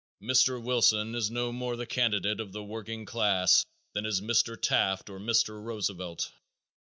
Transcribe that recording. Mr. Wilson is no more the candidate of the working class than is Mr. Taft or Mr. Roosevelt.